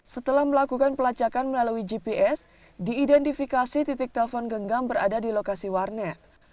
setelah melakukan pelacakan melalui gps diidentifikasi titik telpon genggam berada di lokasi warnet